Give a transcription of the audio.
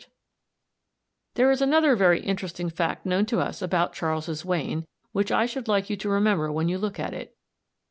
] There is another very interesting fact known to us about Charles's Wain which I should like you to remember when you look at it.